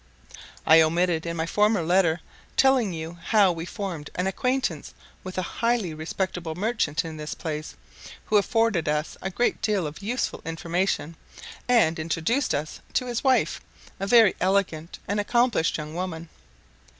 I omitted, in my former letter, telling you how we formed an acquaintance with a highly respectable merchant in this place, who afforded us a great deal of useful information, and introduced us to his wife, a very elegant and accomplished young woman.